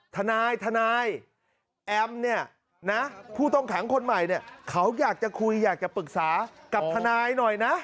ทนายทนายแอมเนี่ยนะผู้ต้องขังคนใหม่เนี่ยเขาอยากจะคุยอยากจะปรึกษากับทนายหน่อยนะ